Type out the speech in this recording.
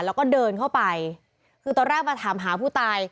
แล้วก็เดินเข้าไปคือตอนแรกมาถามหาผู้ตาย